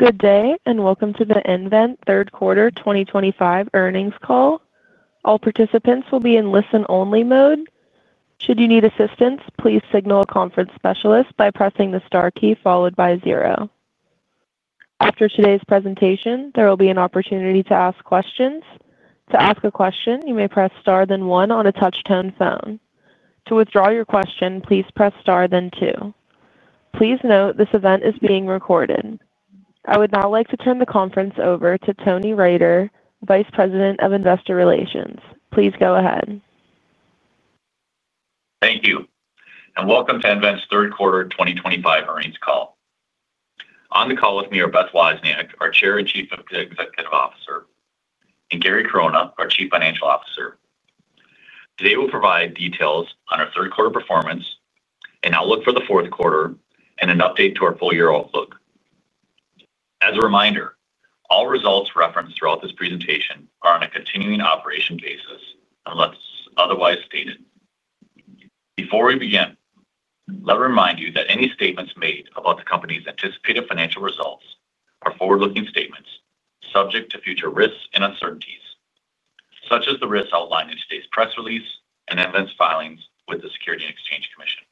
Good day, and welcome to the nVent Q3 2025 earnings call. All participants will be in listen-only mode. Should you need assistance, please signal a conference specialist by pressing the star key followed by zero. After today's presentation, there will be an opportunity to ask questions. To ask a question, you may press star then one on a touch-tone phone. To withdraw your question, please press star then two. Please note this event is being recorded. I would now like to turn the conference over to Tony Riter, Vice President of Investor Relations. Please go ahead. Thank you, and welcome to nVent Q3 2025 earnings call. On the call with me are Beth Wozniak, our Chair and Chief Executive Officer, and Gary Corona, our Chief Financial Officer. Today, we'll provide details on our Q3 performance, an outlook for Q4, and an update to our full-year outlook. As a reminder, all results referenced throughout this presentation are on a continuing operation basis, unless otherwise stated. Before we begin, let me remind you that any statements made about the company's anticipated financial results are forward-looking statements subject to future risks and uncertainties, such as the risks outlined in today's press release and nVent's filings with the Securities and Exchange Commission.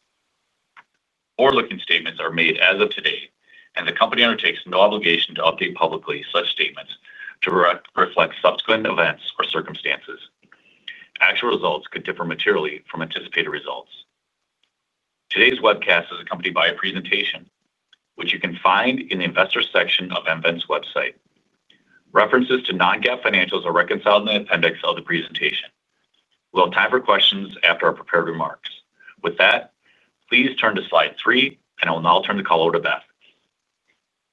Forward-looking statements are made as of today, and the company undertakes no obligation to update publicly such statements to reflect subsequent events or circumstances. Actual results could differ materially from anticipated results. Today's webcast is accompanied by a presentation, which you can find in the Investor section of nVent's website. References to non-GAAP financials are reconciled in the appendix of the presentation. We'll have time for questions after our prepared remarks. With that, please turn to slide three, and I will now turn the call over to Beth.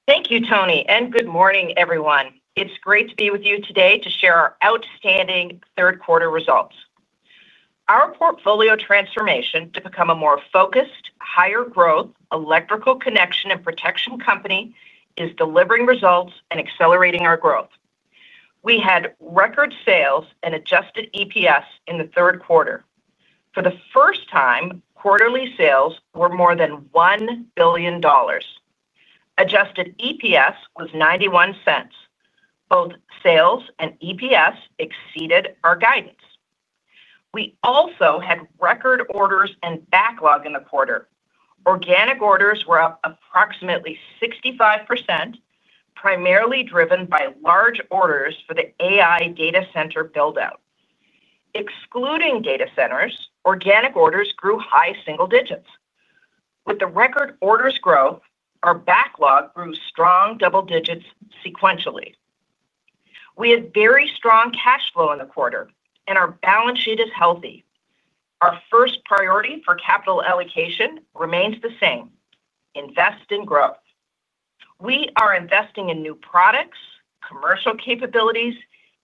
Thank you, Tony, and good morning, everyone. It's great to be with you today to share our outstanding Q3 results. Our portfolio transformation to become a more focused, higher-growth electrical connection and protection company is delivering results and accelerating our growth. We had record sales and adjusted EPS in Q3. For the first time, quarterly sales were more than $1 billion. Adjusted EPS was $0.91. Both sales and EPS exceeded our guidance. We also had record orders and backlog in the quarter. Organic orders were up approximately 65%, primarily driven by large orders for the AI data center buildout. Excluding data centers, organic orders grew high single digits. With the record orders growth, our backlog grew strong double digits sequentially. We had very strong cash flow in the quarter, and our balance sheet is healthy. Our first priority for capital allocation remains the same: invest in growth. We are investing in new products, commercial capabilities,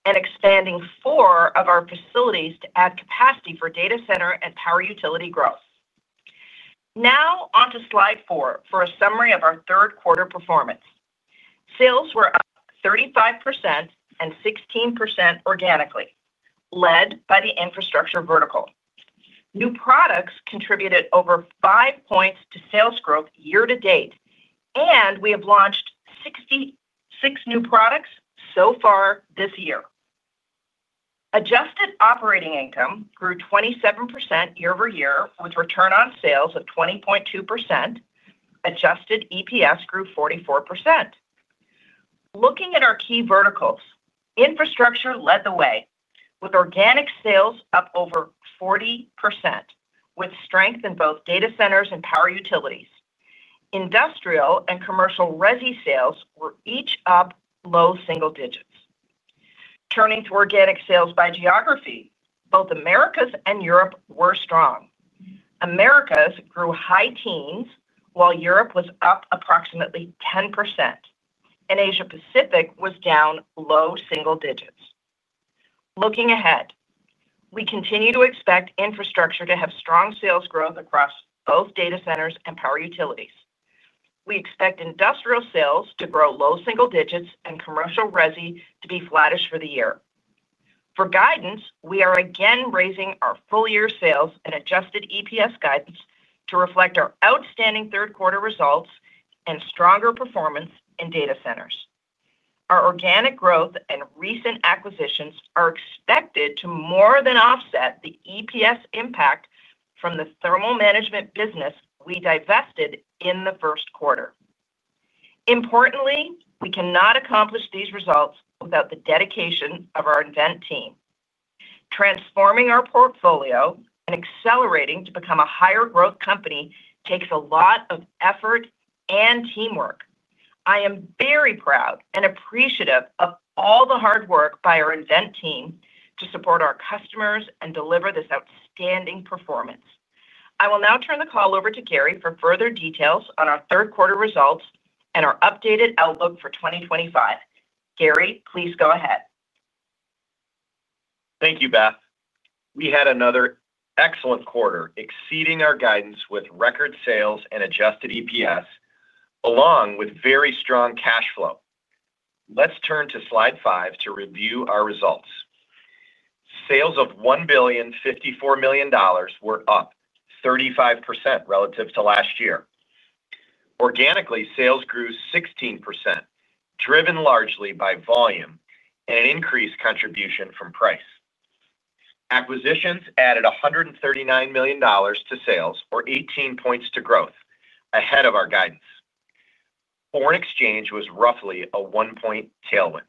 and expanding four of our facilities to add capacity for data center and power utility growth. Now onto slide four for a summary of our Q3 performance. Sales were up 35% and 16% organically, led by the infrastructure vertical. New products contributed over five points to sales growth year to date, and we have launched 66 new products so far this year. Adjusted operating income grew 27% year-over-year, with return on sales of 20.2%. Adjusted EPS grew 44%. Looking at our key verticals, infrastructure led the way, with organic sales up over 40%, with strength in both data centers and power utilities. Industrial and commercial resi sales were each up low single digits. Turning to organic sales by geography, both Americas and Europe were strong. Americas grew high teens, while Europe was up approximately 10%. Asia-Pacific was down low single digits. Looking ahead, we continue to expect infrastructure to have strong sales growth across both data centers and power utilities. We expect industrial sales to grow low single digits and commercial resi to be flattish for the year. For guidance, we are again raising our full-year sales and Adjusted EPS guidance to reflect our outstanding Q3 results and stronger performance in data centers. Our organic growth and recent acquisitions are expected to more than offset the EPS impact from the thermal management business we divested in Q1. Importantly, we cannot accomplish these results without the dedication of our nVent team. Transforming our portfolio and accelerating to become a higher-growth company takes a lot of effort and teamwork. I am very proud and appreciative of all the hard work by our nVent team to support our customers and deliver this outstanding performance. I will now turn the call over to Gary for further details on our Q3 results and our updated outlook for 2025. Gary, please go ahead. Thank you, Beth. We had another excellent quarter, exceeding our guidance with record sales and Adjusted EPS, along with very strong cash flow. Let's turn to slide five to review our results. Sales of $1.54 billion were up 35% relative to last year. Organically, sales grew 16%, driven largely by volume and an increased contribution from price. Acquisitions added $139 million to sales, or 18 points to growth, ahead of our guidance. Foreign exchange was roughly a one-point tailwind.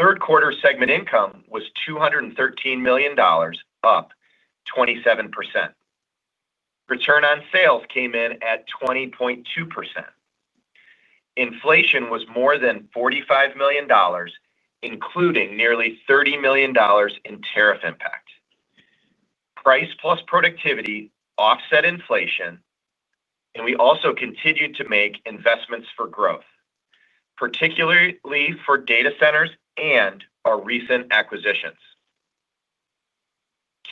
Q3 segment income was $213 million, up 27%. Return on sales came in at 20.2%. Inflation was more than $45 million, including nearly $30 million in tariff impact. Price plus productivity offset inflation, and we also continued to make investments for growth, particularly for data centers and our recent acquisitions.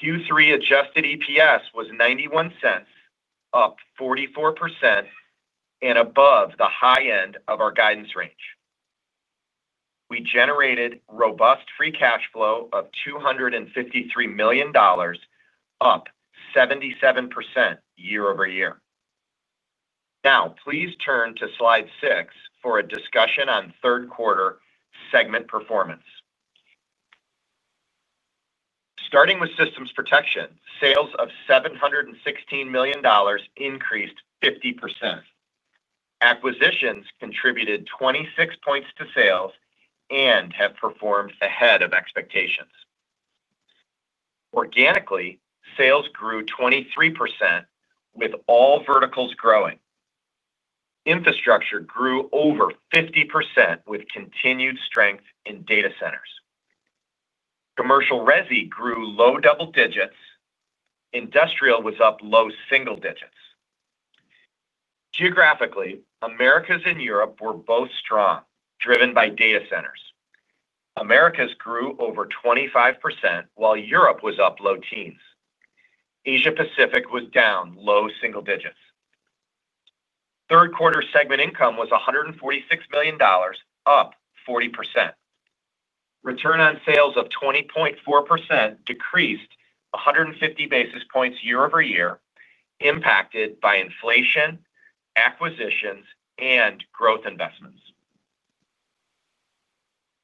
Q3 Adjusted EPS was $0.91, up 44% and above the high end of our guidance range. We generated robust free cash flow of $253 million, up 77% year-over-year. Now, please turn to slide six for a discussion on Q3 segment performance. Starting with systems protection, sales of $716 million increased 50%. Acquisitions contributed 26 points to sales and have performed ahead of expectations. Organically, sales grew 23%, with all verticals growing. Infrastructure grew over 50% with continued strength in data centers. Commercial resi grew low double digits. Industrial was up low single digits. Geographically, Americas and Europe were both strong, driven by data centers. Americas grew over 25%, while Europe was up low teens. Asia-Pacific was down low single digits. Q3 segment income was $146 million, up 40%. Return on sales of 20.4% decreased 150 basis points year-over-year, impacted by inflation, acquisitions, and growth investments.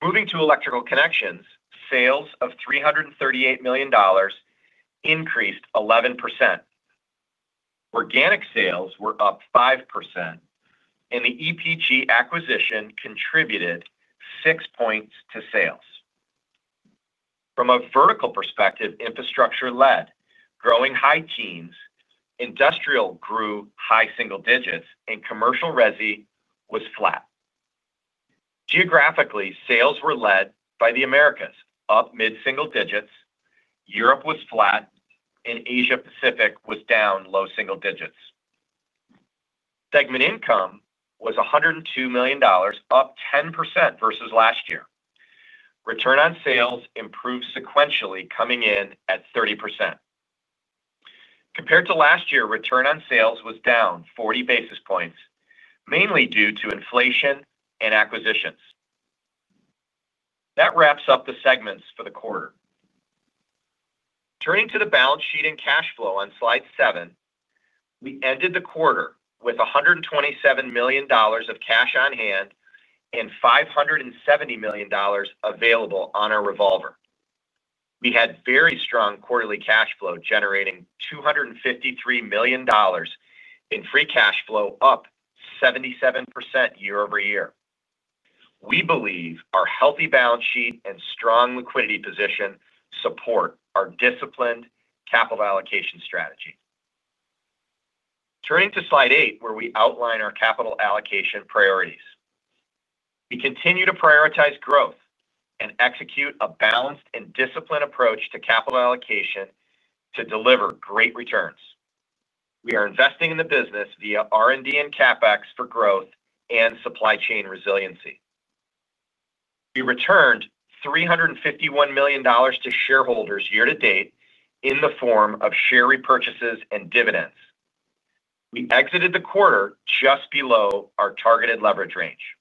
Moving to electrical connections, sales of $338 million increased 11%. Organic sales were up 5%, and the EPG acquisition contributed 6 points to sales. From a vertical perspective, infrastructure led, growing high teens. Industrial grew high single digits, and commercial resi was flat. Geographically, sales were led by the Americas, up mid-single digits. Europe was flat, and Asia-Pacific was down low single digits. Segment income was $102 million, up 10% versus last year. Return on sales improved sequentially, coming in at 30%. Compared to last year, return on sales was down 40 basis points, mainly due to inflation and acquisitions. That wraps up the segments for the quarter. Turning to the balance sheet and cash flow on slide seven, we ended the quarter with $127 million of cash on hand and $570 million available on our revolver. We had very strong quarterly cash flow, generating $253 million in free cash flow, up 77% year-over-year. We believe our healthy balance sheet and strong liquidity position support our disciplined capital allocation strategy. Turning to slide eight, where we outline our capital allocation priorities, we continue to prioritize growth and execute a balanced and disciplined approach to capital allocation to deliver great returns. We are investing in the business via R&D and CapEx for growth and supply chain resiliency. We returned $351 million to shareholders year to date in the form of share repurchases and dividends. We exited the quarter just below our targeted leverage range.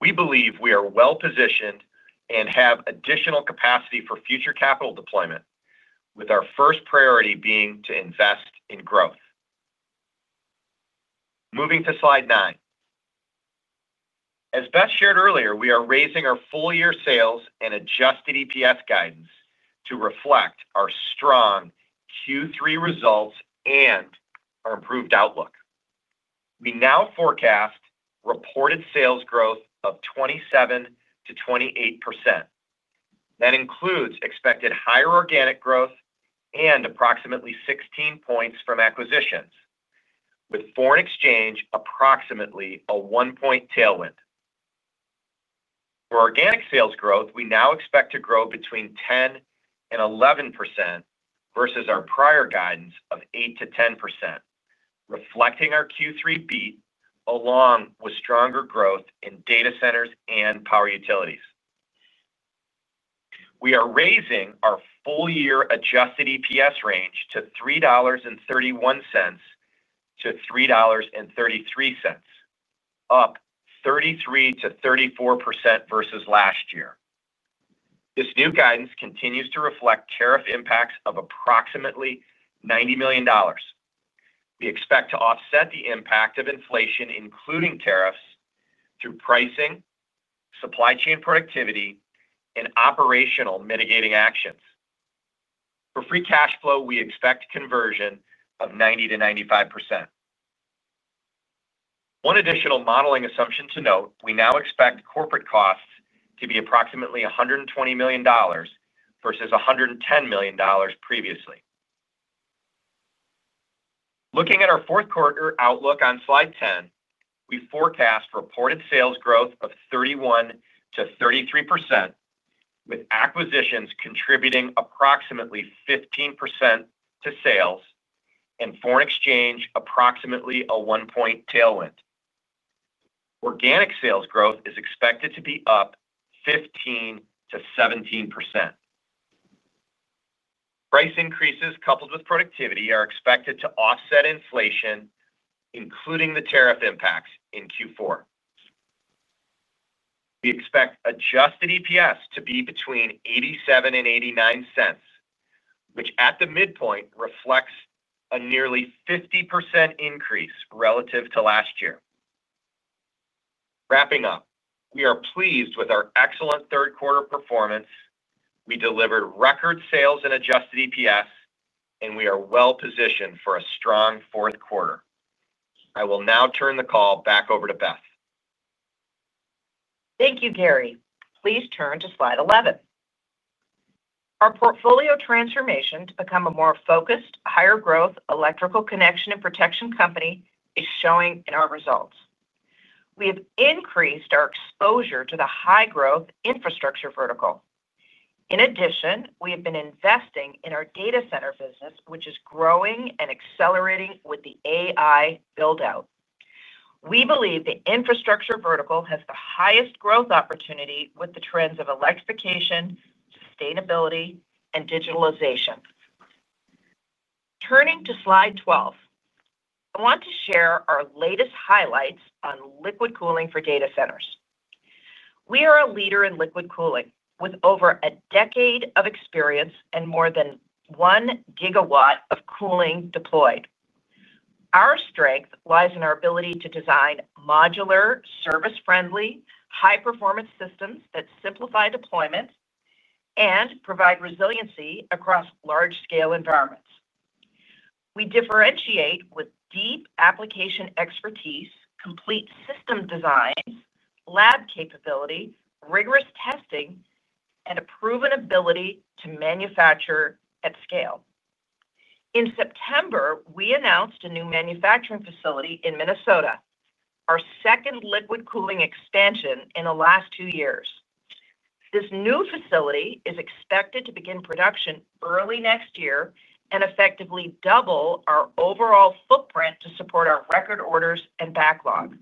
We believe we are well positioned and have additional capacity for future capital deployment, with our first priority being to invest in growth. Moving to slide nine, as Beth Wozniak shared earlier, we are raising our full-year sales and Adjusted EPS guidance to reflect our strong Q3 results and our improved outlook. We now forecast reported sales growth of 27%-28%. That includes expected higher organic growth and approximately 16 points from acquisitions, with foreign exchange approximately a one-point tailwind. For organic sales growth, we now expect to grow between 10% and 11% versus our prior guidance of 8%-10%, reflecting our Q3 beat, along with stronger growth in data centers and power utilities. We are raising our full-year Adjusted EPS range to $3.31-$3.33, up 33%-34% versus last year. This new guidance continues to reflect tariff impacts of approximately $90 million. We expect to offset the impact of inflation, including tariffs, through pricing, supply chain productivity, and operational mitigating actions. For free cash flow, we expect conversion of 90%-95%. One additional modeling assumption to note: we now expect corporate costs to be approximately $120 million versus $110 million previously. Looking at our Q4 outlook on slide 10, we forecast reported sales growth of 31%-33%, with acquisitions contributing approximately 15% to sales and foreign exchange approximately a one-point tailwind. Organic sales growth is expected to be up 15%-17%. Price increases coupled with productivity are expected to offset inflation, including the tariff impacts in Q4. We expect Adjusted EPS to be between $0.87 and $0.89, which at the midpoint reflects a nearly 50% increase relative to last year. Wrapping up, we are pleased with our excellent Q3 performance. We delivered record sales and Adjusted EPS, and we are well positioned for a strong Q4. I will now turn the call back over to Beth. Thank you, Gary. Please turn to slide 11. Our portfolio transformation to become a more focused, higher-growth electrical connection and protection company is showing in our results. We have increased our exposure to the high-growth infrastructure vertical. In addition, we have been investing in our data center business, which is growing and accelerating with the AI build-out. We believe the infrastructure vertical has the highest growth opportunity with the trends of electrification, sustainability, and digitalization. Turning to slide 12. I want to share our latest highlights on liquid cooling for data centers. We are a leader in liquid cooling, with over a decade of experience and more than one gigawatt of cooling deployed. Our strength lies in our ability to design modular, service-friendly, high-performance systems that simplify deployment and provide resiliency across large-scale environments. We differentiate with deep application expertise, complete system designs, lab capability, rigorous testing, and a proven ability to manufacture at scale. In September, we announced a new manufacturing facility in Minnesota, our second liquid cooling expansion in the last two years. This new facility is expected to begin production early next year and effectively double our overall footprint to support our record orders and backlog.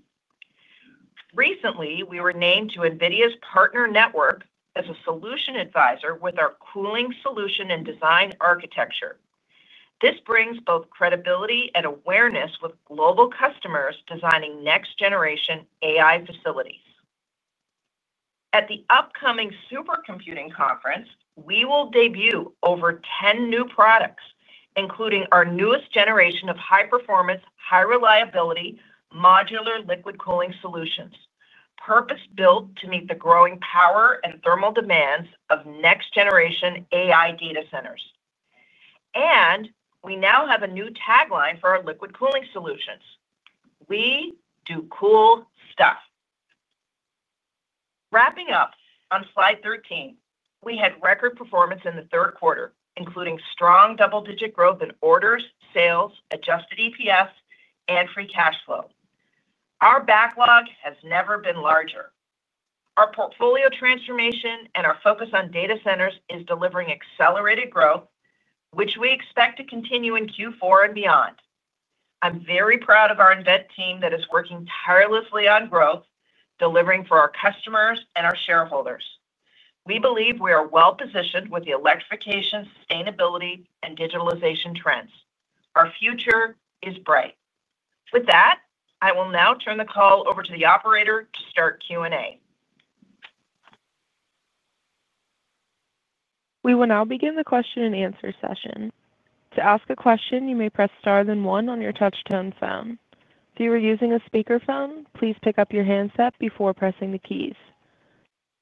Recently, we were named to NVIDIA's partner network as a solution advisor with our cooling solution and design architecture. This brings both credibility and awareness with global customers designing next-generation AI facilities. At the upcoming Supercomputing Conference, we will debut over 10 new products, including our newest generation of high-performance, high-reliability, modular liquid cooling solutions, purpose-built to meet the growing power and thermal demands of next-generation AI data centers. We now have a new tagline for our liquid cooling solutions. We do cool stuff. Wrapping up on slide 13, we had record performance in Q3, including strong double-digit growth in orders, sales, Adjusted EPS, and free cash flow. Our backlog has never been larger. Our portfolio transformation and our focus on data centers is delivering accelerated growth, which we expect to continue in Q4 and beyond. I'm very proud of our nVent team that is working tirelessly on growth, delivering for our customers and our shareholders. We believe we are well positioned with the electrification, sustainability, and digitalization trends. Our future is bright. With that, I will now turn the call over to the operator to start Q&A. We will now begin the question and answer session. To ask a question, you may press star then one on your touch-tone phone. If you are using a speakerphone, please pick up your handset before pressing the keys.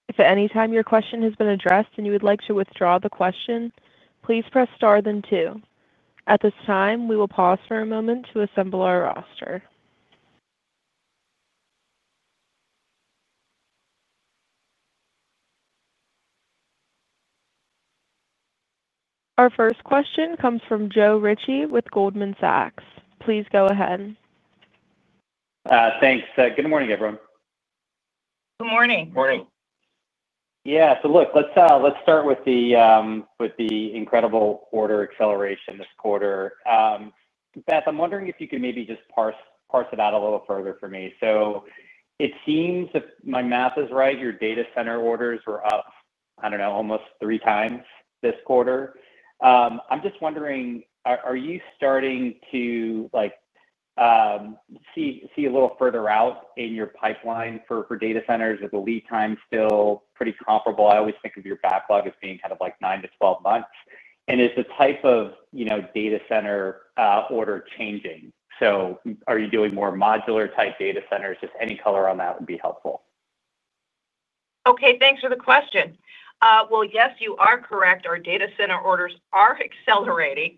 If at any time your question has been addressed and you would like to withdraw the question, please press star then two. At this time, we will pause for a moment to assemble our roster. Our first question comes from Joe Ritchie with Goldman Sachs. Please go ahead. Thanks. Good morning, everyone. Good morning. Morning. Yeah. Let's start with the incredible order acceleration this quarter. Beth, I'm wondering if you could maybe just parse it out a little further for me. It seems if my math is right, your data center orders were up, I don't know, almost 3x this quarter. I'm just wondering, are you starting to see a little further out in your pipeline for data centers with the lead time still pretty comparable? I always think of your backlog as being kind of like 9-12 months. Is the type of data center order changing? Are you doing more modular-type data centers? Any color on that would be helpful. Okay. Thanks for the question. Yes, you are correct. Our data center orders are accelerating.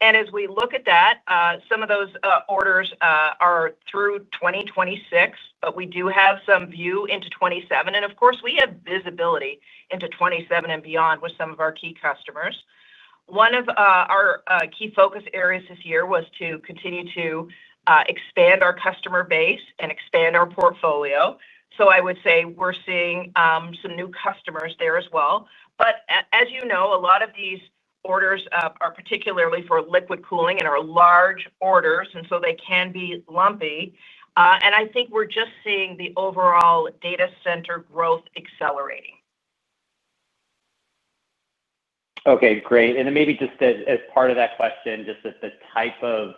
As we look at that, some of those orders are through 2026, but we do have some view into 2027. Of course, we have visibility into 2027 and beyond with some of our key customers. One of our key focus areas this year was to continue to expand our customer base and expand our portfolio. I would say we're seeing some new customers there as well. As you know, a lot of these orders are particularly for liquid cooling solutions and are large orders, so they can be lumpy. I think we're just seeing the overall data center growth accelerating. Okay. Great. Maybe just as part of that question, just the type of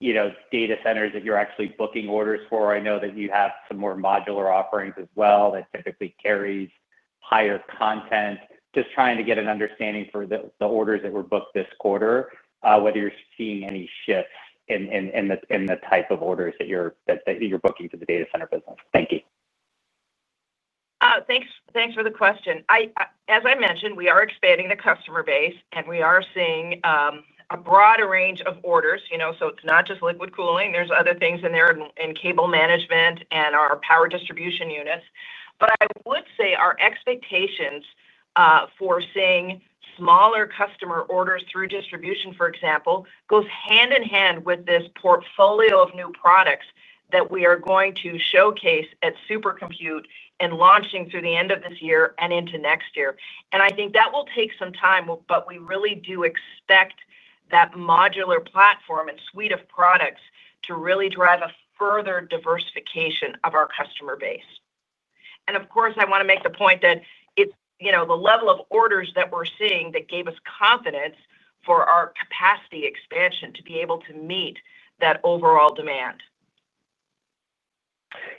data centers that you're actually booking orders for. I know that you have some more modular and standardized product offerings as well that typically carry higher content. Just trying to get an understanding for the orders that were booked this quarter, whether you're seeing any shifts in the type of orders that you're booking for the data center business. Thank you. Thanks for the question. As I mentioned, we are expanding the customer base, and we are seeing a broad range of orders. It's not just liquid cooling. There are other things in there in cable management and our power distribution units. I would say our expectations for seeing smaller customer orders through distribution, for example, go hand in hand with this portfolio of new products that we are going to showcase at Supercomputing and launching through the end of this year and into next year. I think that will take some time, but we really do expect that modular platform and suite of products to really drive a further diversification of our customer base. Of course, I want to make the point that it's the level of orders that we're seeing that gave us confidence for our capacity expansion to be able to meet that overall demand.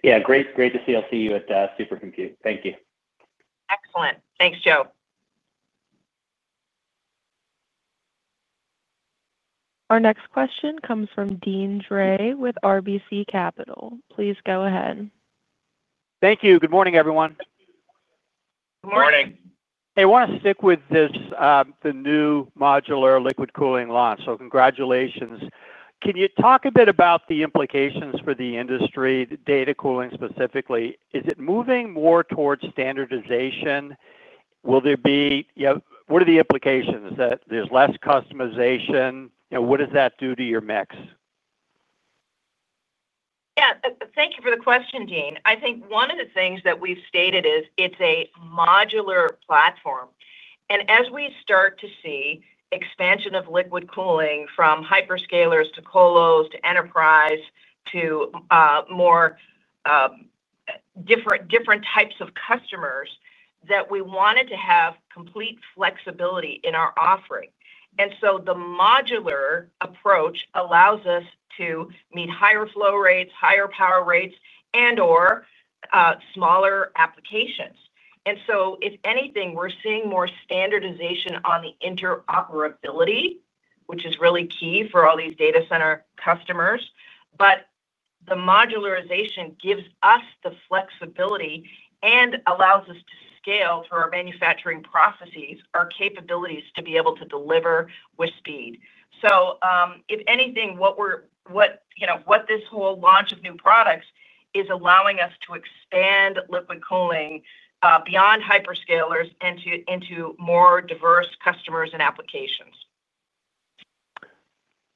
Yeah, great to see you at Supercomputing. Thank you. Excellent. Thanks, Joe. Our next question comes from Deane Dray with RBC Capital. Please go ahead. Thank you. Good morning, everyone. Good morning. I want to stick with the new modular liquid cooling launch. Congratulations. Can you talk a bit about the implications for the industry, data cooling specifically? Is it moving more towards standardization? What are the implications? There's less customization. What does that do to your mix? Thank you for the question, Deane. I think one of the things that we've stated is it's a modular platform. As we start to see expansion of liquid cooling solutions from hyperscalers to colos to enterprise to different types of customers, we wanted to have complete flexibility in our offering. The modular approach allows us to meet higher flow rates, higher power rates, and/or smaller applications. If anything, we're seeing more standardization on the interoperability, which is really key for all these data center customers. The modularization gives us the flexibility and allows us to scale for our manufacturing processes, our capabilities to be able to deliver with speed. If anything, what this whole launch of new products is allowing us to expand liquid cooling solutions beyond hyperscalers into more diverse customers and applications.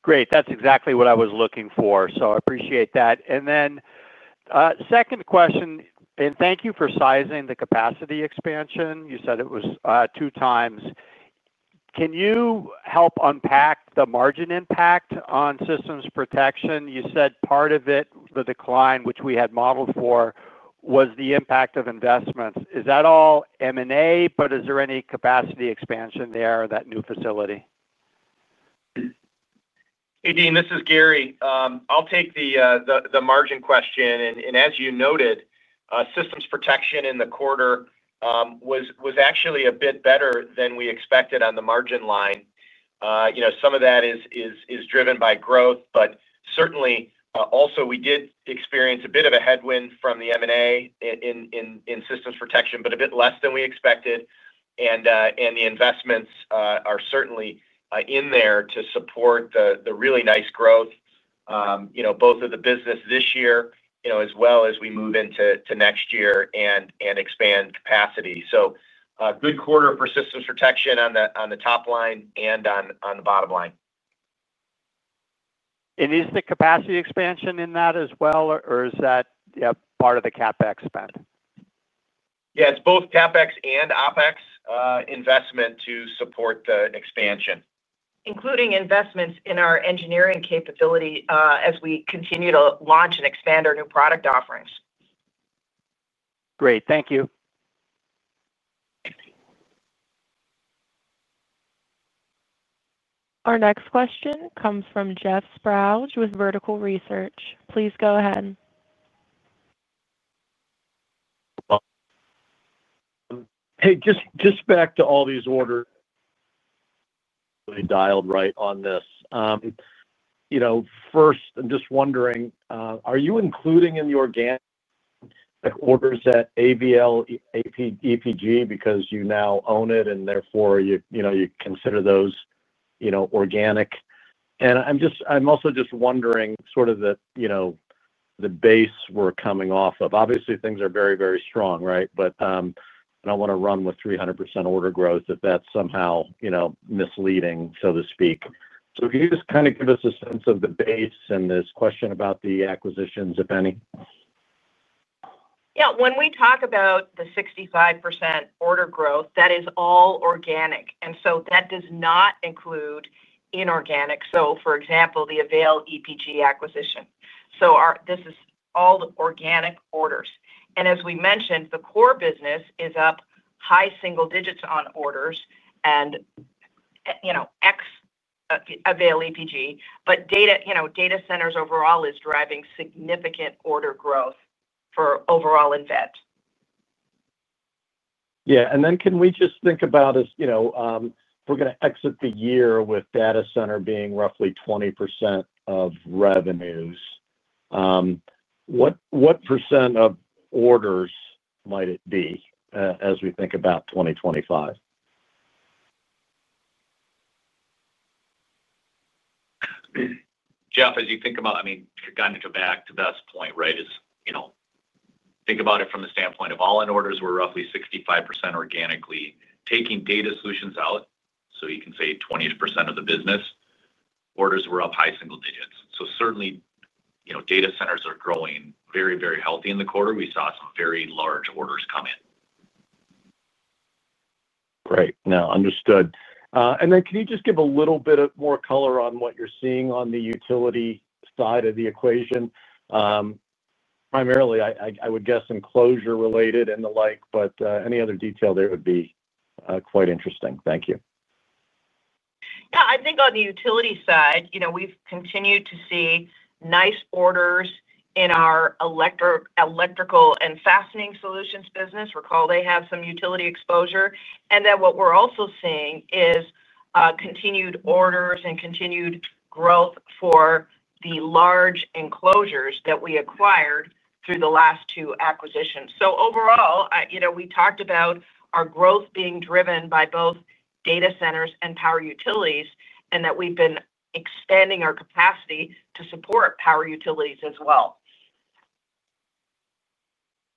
Great. That's exactly what I was looking for. I appreciate that. Second question, and thank you for sizing the capacity expansion. You said it was 2x. Can you help unpack the margin impact on systems protection? You said part of it, the decline, which we had modeled for, was the impact of investments. Is that all M&A, but is there any capacity expansion there at that new facility? Hey, Deane, this is Gary. I'll take the margin question. As you noted, systems protection in the quarter was actually a bit better than we expected on the margin line. Some of that is driven by growth, but certainly also we did experience a bit of a headwind from the M&A in systems protection, but a bit less than we expected. The investments are certainly in there to support the really nice growth, both of the business this year, as well as we move into next year and expand capacity. Good quarter for systems protection on the top line and on the bottom line. Is the capacity expansion in that as well, or is that part of the CapEx spend? Yeah, it's both CapEx and OpEx investment to support the expansion. Including investments in our engineering capability as we continue to launch and expand our new product offerings. Great. Thank you. Our next question comes from Jeff Sprague with Vertical Research. Please go ahead. Hey, just back to all these orders. Dialed right on this. First, I'm just wondering, are you including in the organic orders at AVAIL EPG because you now own it and therefore you consider those organic? I'm also just wondering sort of the base we're coming off of. Obviously, things are very, very strong, right? I don't want to run with 300% order growth if that's somehow misleading, so to speak. Can you just kind of give us a sense of the base and this question about the acquisitions, if any? Yeah. When we talk about the 65% order growth, that is all organic. That does not include inorganic, for example, the AVAIL EPG acquisition. This is all organic orders. As we mentioned, the core business is up high single digits on orders, excluding AVAIL EPG. Data centers overall are driving significant order growth for overall nVent. Can we just think about it. If we're going to exit the year with data center being roughly 20% of revenues, what percent of orders might it be as we think about 2025? Jeff, as you think about, I mean, kind of going back to Beth's point, right, is, think about it from the standpoint of all in orders were roughly 65% organically. Taking data solutions out, you can say 20% of the business. Orders were up high single digits. Data centers are growing very, very healthy in the quarter. We saw some very large orders come in. Great. Now, understood. Can you just give a little bit more color on what you're seeing on the utility side of the equation? Primarily, I would guess enclosure related and the like, but any other detail there would be quite interesting. Thank you. Yeah. I think on the utility side, we've continued to see nice orders in our electrical connections and fastening solutions business. Recall they have some utility exposure. What we're also seeing is continued orders and continued growth for the large enclosures that we acquired through the last two acquisitions. Overall, we talked about our growth being driven by both data centers and power utilities and that we've been expanding our capacity to support power utilities as well.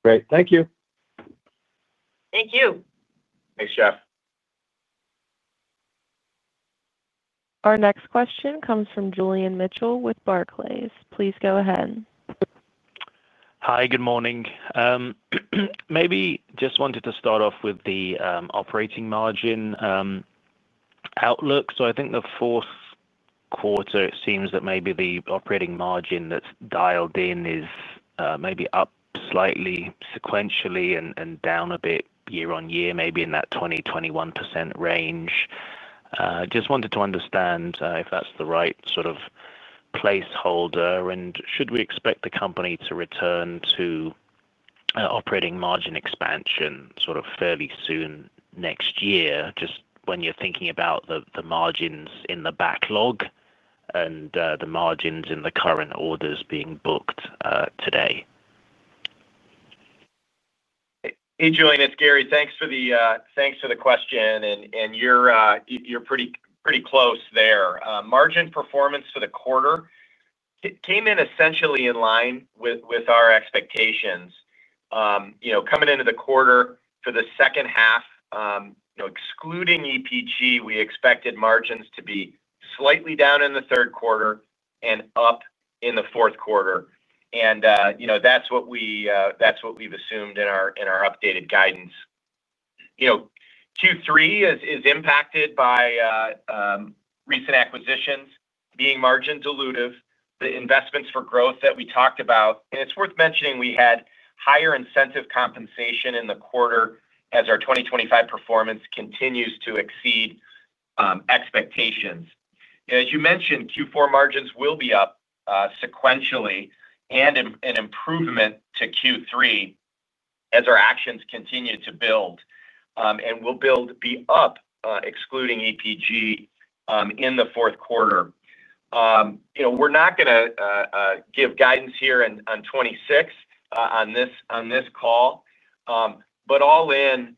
Great. Thank you. Thank you. Thanks, Jeff. Our next question comes from Julian Mitchell with Barclays. Please go ahead. Hi, good morning. Maybe just wanted to start off with the operating margin outlook. I think the fourth quarter, it seems that maybe the operating margin that's dialed in is maybe up slightly sequentially and down a bit year on year, maybe in that 20, 21% range. Just wanted to understand if that's the right sort of placeholder. Should we expect the company to return to operating margin expansion fairly soon next year, just when you're thinking about the margins in the backlog and the margins in the current orders being booked today? Hey, Julian, it's Gary. Thanks for the question. You're pretty close there. Margin performance for the quarter came in essentially in line with our expectations. Coming into the quarter for the second half, excluding EPG, we expected margins to be slightly down in the third quarter and up in the fourth quarter. That's what we have assumed in our updated guidance. Q3 is impacted by recent acquisitions being margin-dilutive, the investments for growth that we talked about. It's worth mentioning we had higher incentive compensation in the quarter as our 2025 performance continues to exceed expectations. As you mentioned, Q4 margins will be up sequentially and an improvement to Q3 as our actions continue to build and will be up, excluding EPG, in the fourth quarter. We're not going to give guidance here on 2026 on this call. All in,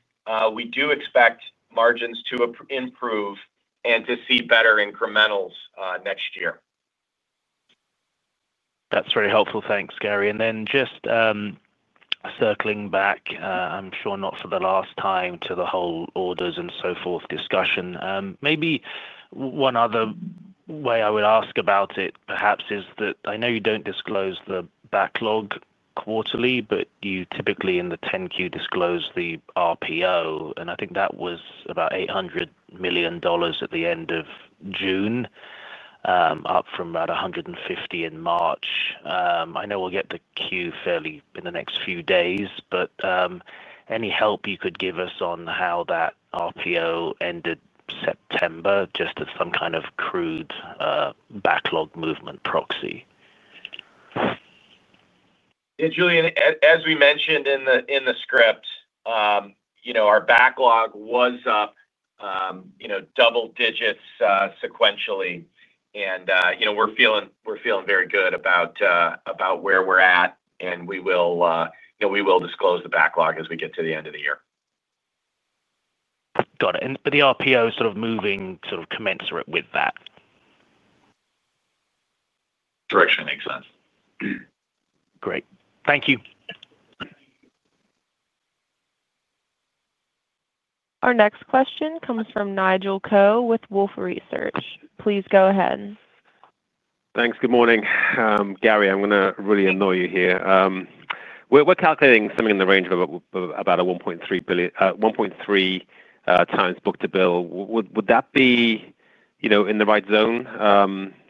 we do expect margins to improve and to see better incrementals next year. That's very helpful. Thanks, Gary. Circling back, I'm sure not for the last time, to the whole orders and so forth discussion. Maybe one other way I would ask about it, perhaps, is that I know you don't disclose the backlog quarterly, but you typically in the 10-Q disclose the RPO. I think that was about $800 million at the end of June, up from about $150 million in March. I know we'll get the Q fairly in the next few days. Any help you could give us on how that RPO ended September, just as some kind of crude backlog movement proxy? Yeah, Julian, as we mentioned in the script, our backlog was up double digits sequentially. We're feeling very good about where we're at, and we will disclose the backlog as we get to the end of the year. Got it. The RPO is sort of moving sort of commensurate with that. Direction makes sense. Great. Thank you. Our next question comes from Nigel Coe with Wolfe Research. Please go ahead. Thanks. Good morning. Gary, I'm going to really annoy you here. We're calculating something in the range of about a 1.3x book to bill. Would that be in the right zone?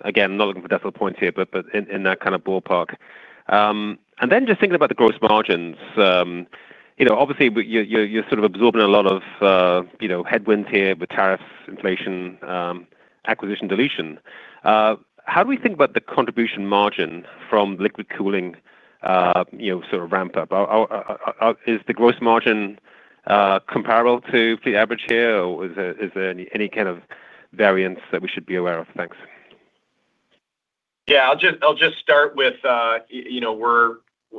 Again, I'm not looking for decimal points here, but in that kind of ballpark. Just thinking about the gross margins, obviously, you're sort of absorbing a lot of headwinds here with tariffs, inflation, acquisition, dilution. How do we think about the contribution margin from liquid cooling sort of ramp up? Is the gross margin comparable to the average here, or is there any kind of variance that we should be aware of? Thanks. Yeah. I'll just start with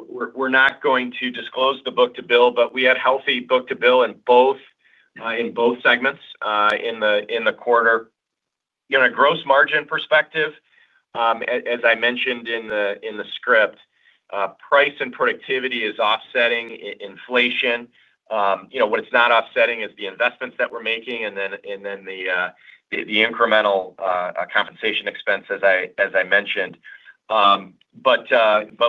we're not going to disclose the book to bill, but we had healthy book to bill in both segments in the quarter. In a gross margin perspective, as I mentioned in the script, price and productivity is offsetting inflation. What it's not offsetting is the investments that we're making and then the incremental compensation expense, as I mentioned.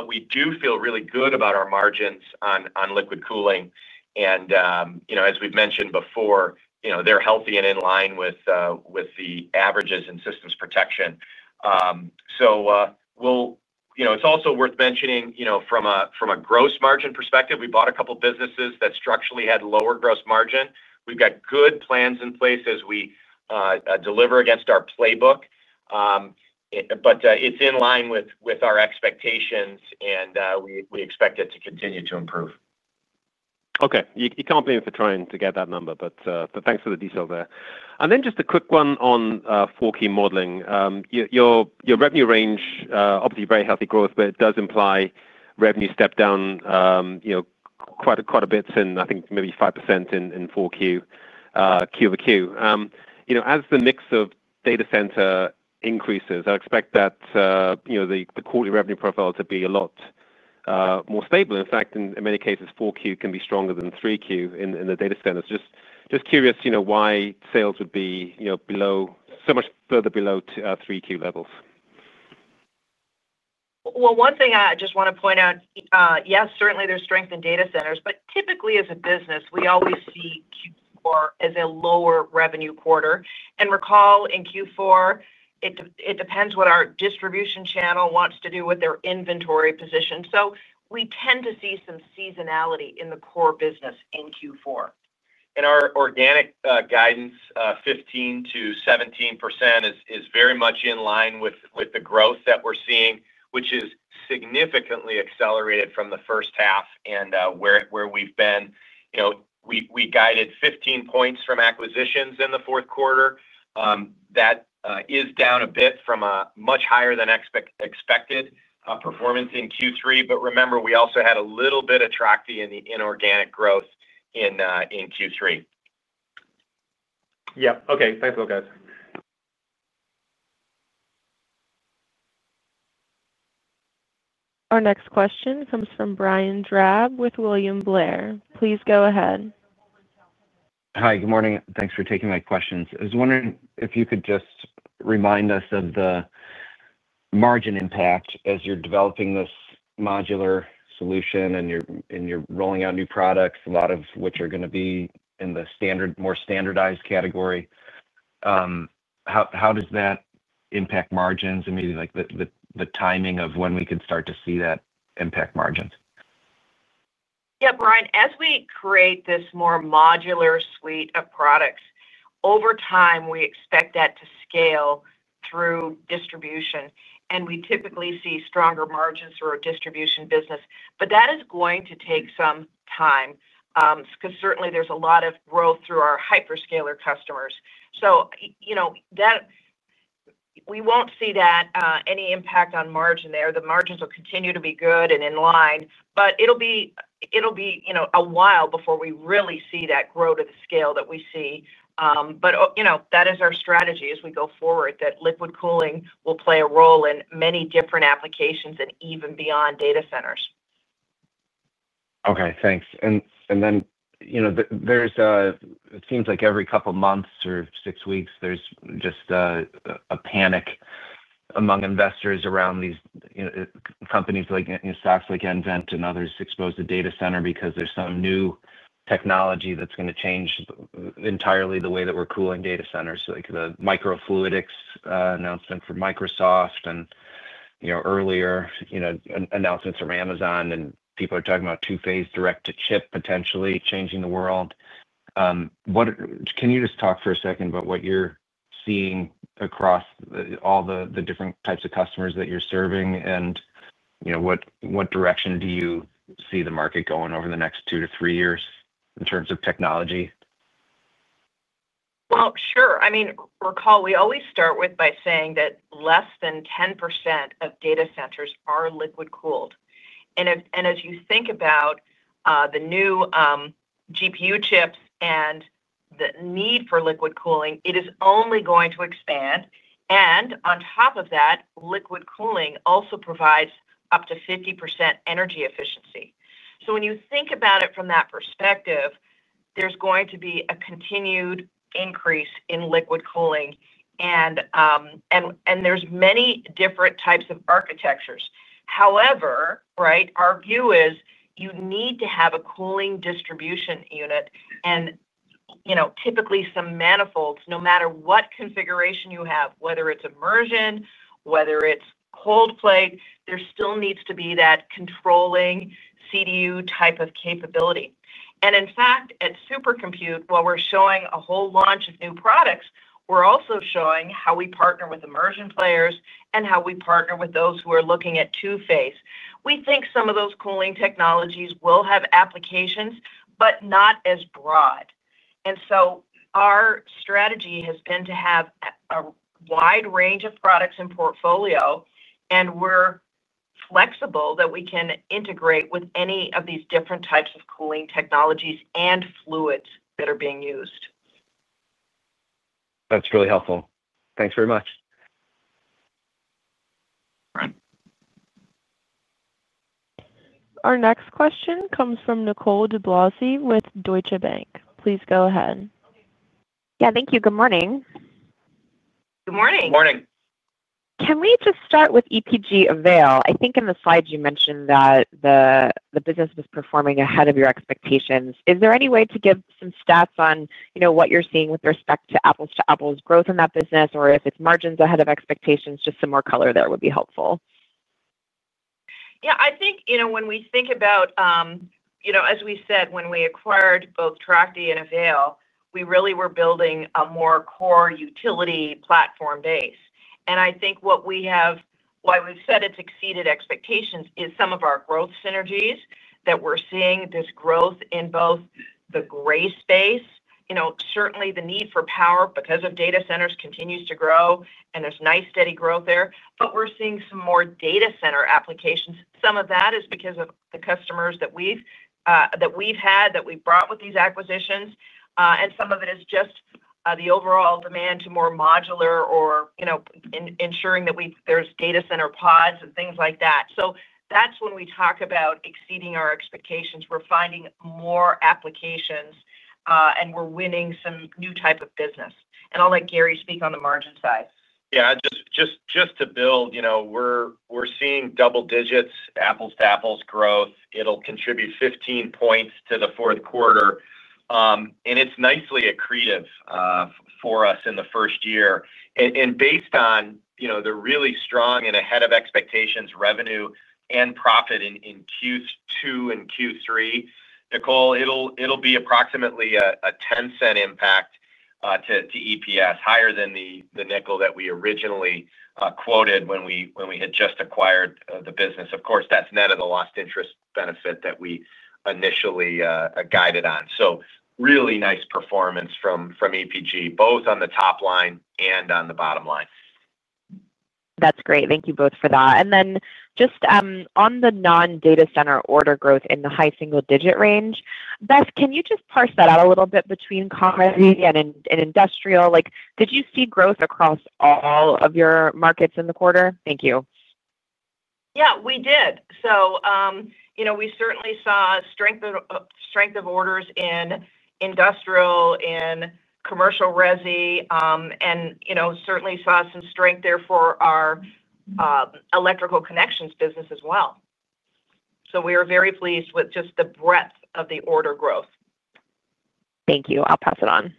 We do feel really good about our margins on liquid cooling, and as we've mentioned before, they're healthy and in line with the averages in systems protection. It's also worth mentioning from a gross margin perspective, we bought a couple of businesses that structurally had lower gross margin. We've got good plans in place as we deliver against our playbook. It's in line with our expectations, and we expect it to continue to improve. Okay. You can't blame me for trying to get that number, but thanks for the detail there. Just a quick one on 4Q modeling. Your revenue range, obviously very healthy growth, but it does imply revenue stepped down quite a bit since, I think, maybe 5% in 4Q Q over Q. As the mix of data center increases, I expect that the quarterly revenue profile to be a lot more stable. In fact, in many cases, 4Q can be stronger than 3Q in the data centers. Just curious why sales would be below, so much further below 3Q levels. One thing I just want to point out, yes, certainly there's strength in data centers, but typically as a business, we always see Q4 as a lower revenue quarter. Recall in Q4, it depends what our distribution channel wants to do with their inventory position. We tend to see some seasonality in the core business in Q4. In our organic guidance, 15%-17% is very much in line with the growth that we're seeing, which is significantly accelerated from the first half and where we've been. We guided 15% from acquisitions in the fourth quarter. That is down a bit from a much higher than expected performance in Q3. Remember, we also had a little bit of tracking in the inorganic growth in Q3. Yeah. Okay. Thanks for that. Our next question comes from Brian Drab with William Blair. Please go ahead. Hi, good morning. Thanks for taking my questions. I was wondering if you could just remind us of the margin impact as you're developing this modular solution and you're rolling out new products, a lot of which are going to be in the more standardized category. How does that impact margins, and maybe the timing of when we could start to see that impact margins? Yeah, Brian, as we create this more modular suite of products, over time, we expect that to scale through distribution. We typically see stronger margins for a distribution business. That is going to take some time, because certainly, there's a lot of growth through our hyperscaler customers. We won't see any impact on margin there. The margins will continue to be good and in line. It'll be a while before we really see that grow to the scale that we see. That is our strategy as we go forward, that liquid cooling will play a role in many different applications and even beyond data centers. Okay. Thanks. It seems like every couple of months or six weeks, there's just a panic among investors around these companies like nVent and others exposed to the data center because there's some new technology that's going to change entirely the way that we're cooling data centers. The microfluidics announcement from Microsoft and earlier announcements from Amazon, and people are talking about two-phase direct-to-chip potentially changing the world. Can you just talk for a second about what you're seeing across all the different types of customers that you're serving and what direction do you see the market going over the next two to three years in terms of technology? Recall, we always start by saying that less than 10% of data centers are liquid-cooled. As you think about the new GPU chips and the need for liquid cooling, it is only going to expand. On top of that, liquid cooling also provides up to 50% energy efficiency. When you think about it from that perspective, there's going to be a continued increase in liquid cooling. There are many different types of architectures. However, our view is you need to have a cooling distribution unit and typically some manifolds, no matter what configuration you have, whether it's immersion or whether it's cold plate, there still needs to be that controlling CDU type of capability. In fact, at Supercomput, while we're showing a whole launch of new products, we're also showing how we partner with immersion players and how we partner with those who are looking at two-phase. We think some of those cooling technologies will have applications, but not as broad. Our strategy has been to have a wide range of products in portfolio, and we're flexible that we can integrate with any of these different types of cooling technologies and fluids that are being used. That's really helpful. Thanks very much. Our next question comes from Nicole DeBlase with Deutsche Bank. Please go ahead. Yeah, thank you. Good morning. Good morning. Good morning. Can we just start with AVAIL EPG? I think in the slides, you mentioned that the business was performing ahead of your expectations. Is there any way to give some stats on what you're seeing with respect to apples-to-apples growth in that business, or if it's margins ahead of expectations, just some more color there would be helpful? Yeah. I think when we think about, as we said, when we acquired both Tracti and AVAIL EPG, we really were building a more core utility platform base. I think what we have, why we've said it's exceeded expectations, is some of our growth synergies that we're seeing, this growth in both the gray space. Certainly, the need for power because of data centers continues to grow, and there's nice steady growth there. We're seeing some more data center applications. Some of that is because of the customers that we've had, that we've brought with these acquisitions. Some of it is just the overall demand to more modular or ensuring that there's data center pods and things like that. That's when we talk about exceeding our expectations. We're finding more applications, and we're winning some new type of business. I'll let Gary speak on the margin side. Yeah. Just to build, we're seeing double digits, apples-to-apples growth. It'll contribute 15 points to the fourth quarter, and it's nicely accretive for us in the first year. Based on the really strong and ahead of expectations revenue and profit in Q2 and Q3, Nicole, it'll be approximately a $0.10 impact to EPS, higher than the nickel that we originally quoted when we had just acquired the business. Of course, that's net of the lost interest benefit that we initially guided on. Really nice performance from AVAIL EPG, both on the top line and on the bottom line. That's great. Thank you both for that. Just on the non-data center order growth in the high single-digit range, Beth, can you parse that out a little bit between commodity and industrial? Did you see growth across all of your markets in the quarter? Thank you. Yeah, we did. We certainly saw strength of orders in industrial and commercial resi, and certainly saw some strength there for our electrical connections business as well. We are very pleased with just the breadth of the order growth. Thank you. I'll pass it on.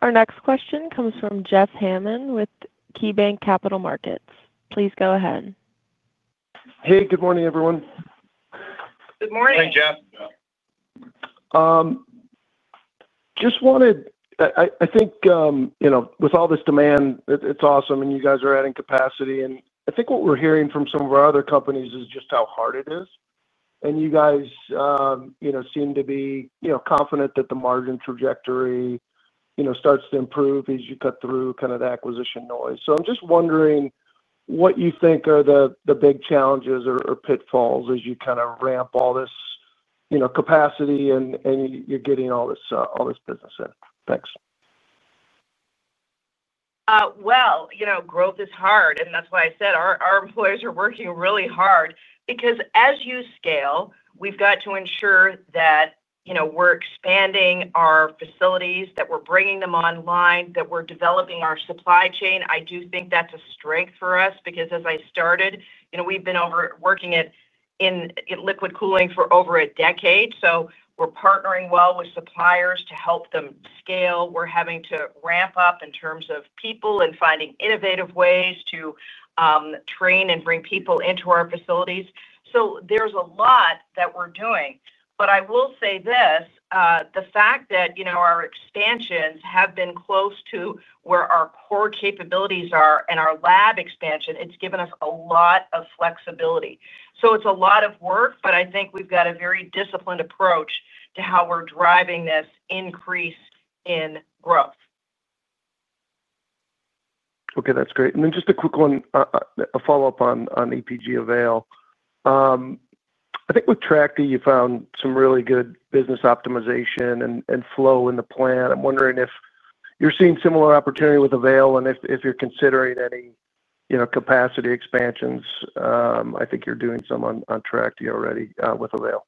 Our next question comes from Jeff Hammond with KeyBanc Capital Markets. Please go ahead. Hey, good morning, everyone. Good morning. Morning, Jeff. I think with all this demand, it's awesome, and you guys are adding capacity. What we're hearing from some of our other companies is just how hard it is. You guys seem to be confident that the margin trajectory starts to improve as you cut through kind of the acquisition noise. I'm just wondering what you think are the big challenges or pitfalls as you kind of ramp all this capacity and you're getting all this business in. Thanks. Growth is hard. That's why I said our employees are working really hard. As you scale, we've got to ensure that we're expanding our facilities, that we're bringing them online, that we're developing our supply chain. I do think that's a strength for us because as I started, we've been working in liquid cooling solutions for over a decade. We're partnering well with suppliers to help them scale. We're having to ramp up in terms of people and finding innovative ways to train and bring people into our facilities. There's a lot that we're doing. I will say this: the fact that our expansions have been close to where our core capabilities are and our lab expansion, it's given us a lot of flexibility. It's a lot of work, but I think we've got a very disciplined approach to how we're driving this increase in growth. Okay. That's great. Just a quick one, a follow-up on AVAIL EPG. I think with Tracti, you found some really good business optimization and flow in the plan. I'm wondering if you're seeing similar opportunity with AVAIL and if you're considering any capacity expansions. I think you're doing some on Tracti already with AVAIL.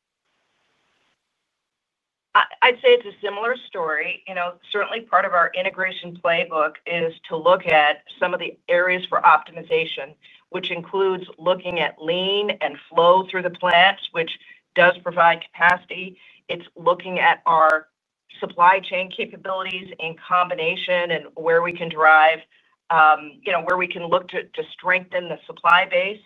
I'd say it's a similar story. Certainly, part of our integration playbook is to look at some of the areas for optimization, which includes looking at lean and flow through the plants, which does provide capacity. It's looking at our supply chain capabilities in combination and where we can drive, where we can look to strengthen the supply base.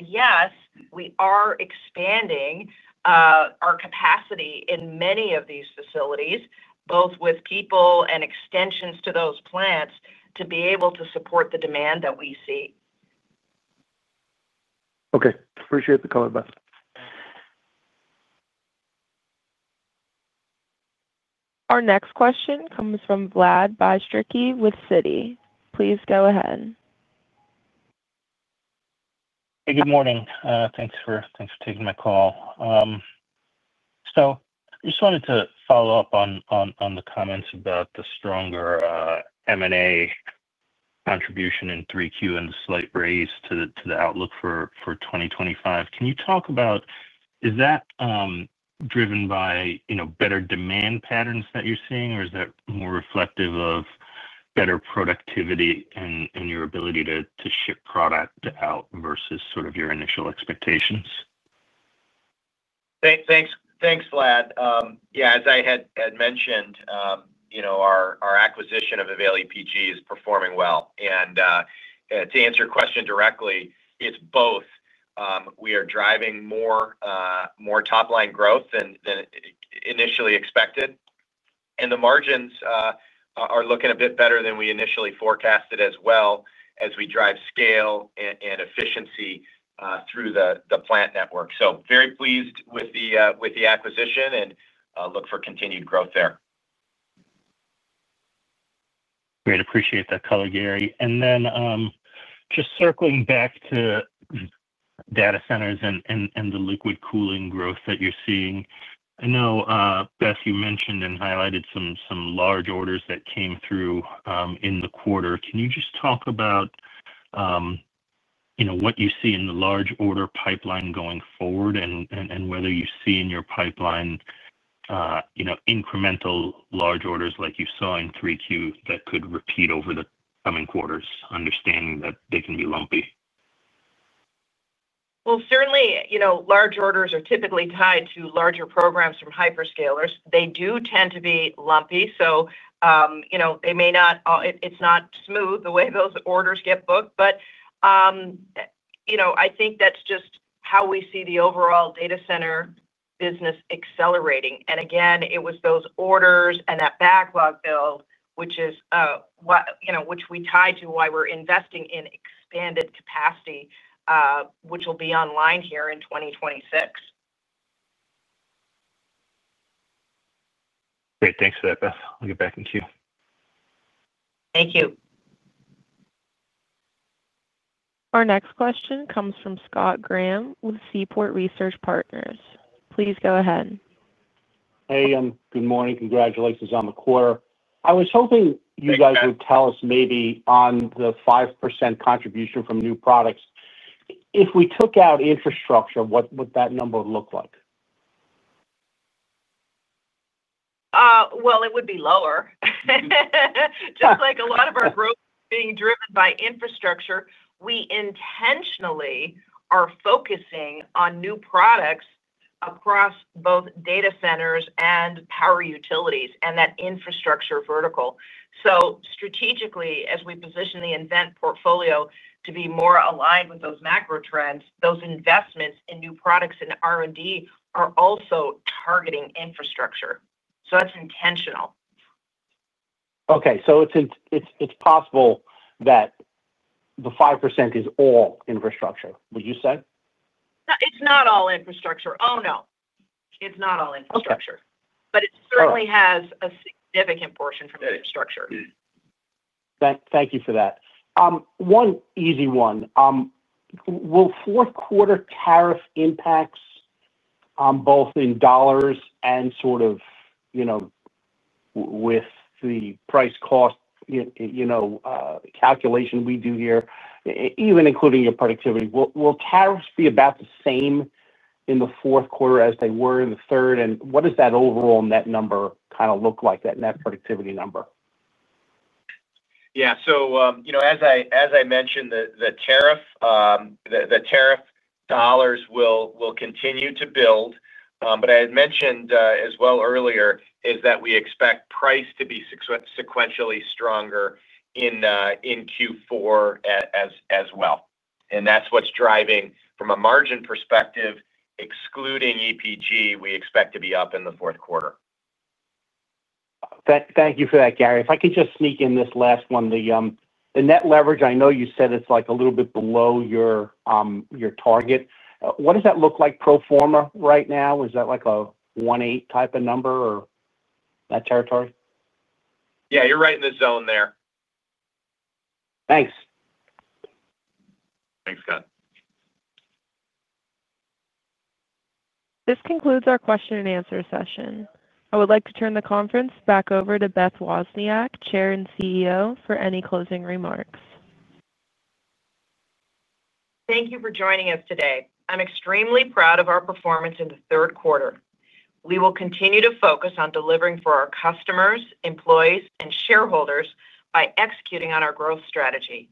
Yes, we are expanding our capacity in many of these facilities, both with people and extensions to those plants to be able to support the demand that we see. Okay. Appreciate the comment, Beth. Our next question comes from Vlad Bystricky with Citi. Please go ahead. Hey, good morning. Thanks for taking my call. I just wanted to follow up on the comments about the stronger M&A contribution in 3Q and the slight raise to the outlook for 2025. Can you talk about whether that is driven by better demand patterns that you're seeing, or is that more reflective of better productivity and your ability to ship product out versus sort of your initial expectations? Thanks, Vlad. As I had mentioned, our acquisition of AVAIL EPG is performing well. To answer your question directly, it's both. We are driving more top-line growth than initially expected, and the margins are looking a bit better than we initially forecasted as we drive scale and efficiency through the plant network. Very pleased with the acquisition and look for continued growth there. Great. Appreciate that color, Gary. Just circling back to data centers and the liquid cooling growth that you're seeing, I know, Beth, you mentioned and highlighted some large orders that came through in the quarter. Can you just talk about what you see in the large order pipeline going forward and whether you see in your pipeline incremental large orders like you saw in 3Q that could repeat over the coming quarters, understanding that they can be lumpy? Large orders are typically tied to larger programs from hyperscalers. They do tend to be lumpy, so they may not—it's not smooth the way those orders get booked. I think that's just how we see the overall data center business accelerating. Again, it was those orders and that backlog build, which is what we tie to why we're investing in expanded capacity, which will be online here in 2026. Great. Thanks for that, Beth. I'll get back in queue. Thank you. Our next question comes from Scott Graham with Seaport Research Partners. Please go ahead. Hey, good morning. Congratulations on the quarter. I was hoping you guys would tell us maybe on the 5% contribution from new products, if we took out infrastructure, what would that number look like? A lot of our growth is being driven by infrastructure. We intentionally are focusing on new products across both data centers and power utilities and that infrastructure vertical. Strategically, as we position the nVent portfolio to be more aligned with those macro trends, those investments in new products and R&D are also targeting infrastructure. That's intentional. Okay. It's possible that the 5% is all infrastructure, would you say? It's not all infrastructure. It's not all infrastructure, but it certainly has a significant portion from infrastructure. Thank you for that. One easy one. Will fourth-quarter tariff impacts, both in dollars and with the price-cost calculation we do here, even including your productivity, will tariffs be about the same in the fourth quarter as they were in the third? What does that overall net number kind of look like, that net productivity number? Yeah. As I mentioned, the tariff dollars will continue to build. As mentioned earlier, we expect price to be sequentially stronger in Q4 as well. That's what's driving, from a margin perspective, excluding EPG, we expect to be up in the fourth quarter. Thank you for that, Gary. If I could just sneak in this last one. The net leverage, I know you said it's a little bit below your target. What does that look like pro forma right now? Is that like a 1.8 type of number or that territory? Yeah. You're right in the zone there. Thanks. Thanks, Scott. This concludes our question-and-answer session. I would like to turn the conference back over to Beth Wozniak, Chair and CEO, for any closing remarks. Thank you for joining us today. I'm extremely proud of our performance in the third quarter. We will continue to focus on delivering for our customers, employees, and shareholders by executing on our growth strategy.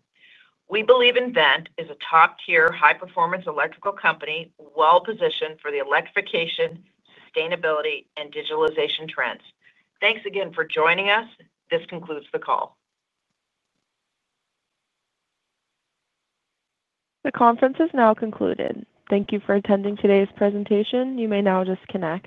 We believe nVent is a top-tier high-performance electrical company well-positioned for the electrification, sustainability, and digitalization trends. Thanks again for joining us. This concludes the call. The conference is now concluded. Thank you for attending today's presentation. You may now disconnect.